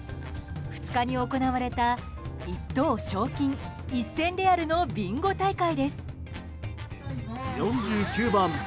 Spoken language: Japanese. ２日に行われた１等賞金１０００レアルのビンゴ大会です。